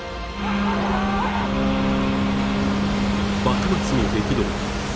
幕末の激動。